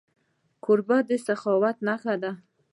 کوربه د سخاوت نښه ده.